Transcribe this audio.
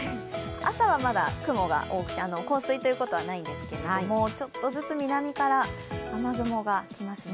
朝はまだ雲が多くて降水ということはないんですけどちょっとずつ南から雨雲が来ますね。